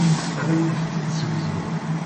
Ad awent-tt-id-ssegzuɣ.